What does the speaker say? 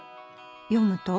読むと？